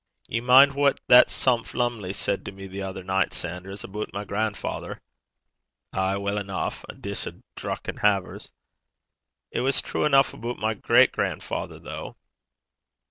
'Ye min' what that sumph Lumley said to me the ither nicht, Sanders, aboot my grandfather?' 'Ay, weel eneuch. A dish o' drucken havers!' 'It was true eneuch aboot my great grandfather, though.'